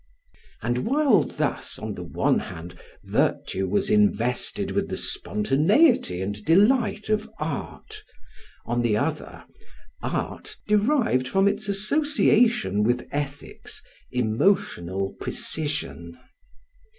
And while thus, on the one hand, virtue was invested with the spontaneity and delight of art, on the other, art derived from its association with ethics emotional precision.